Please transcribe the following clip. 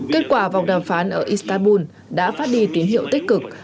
kết quả vòng đàm phán ở istanbul đã phát đi tín hiệu tích cực